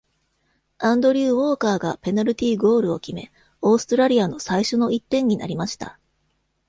アンドリュー・ウォーカーがペナルティゴールを決め、オーストラリアの最初の一点になりました。